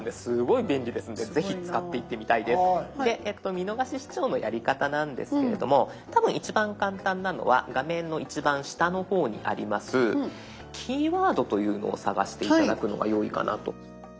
見逃し視聴のやり方なんですけれども多分一番簡単なのは画面の一番下の方にあります「キーワード」というのを探して頂くのがよいかなと。